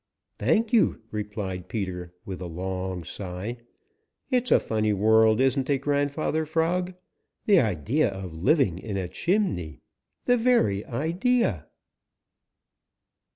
"Thank you," replied Peter with a long sigh. "It's a funny world, isn't it, Grandfather Frog? The idea of living in a chimney! The very idea!"